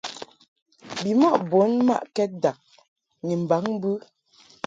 Bimɔʼ bun mmaʼkɛd dag ni mbaŋ mbɨ.